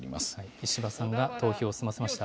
石破さんが投票を済ませました。